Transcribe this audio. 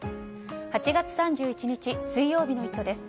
８月３１日、水曜日の「イット！」です。